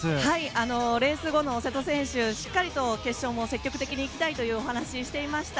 レース後の瀬戸選手はしっかりと決勝も積極的にいきたいというお話をしていました。